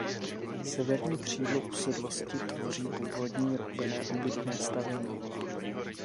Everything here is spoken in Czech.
Severní křídlo usedlosti tvoří původní roubené obytné stavení.